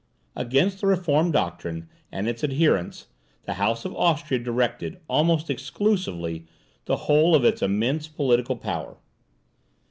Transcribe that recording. Against the reformed doctrine and its adherents, the House of Austria directed, almost exclusively, the whole of its immense political power.